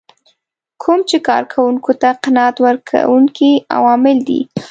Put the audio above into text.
کوم چې کار کوونکو ته قناعت ورکوونکي عوامل دي.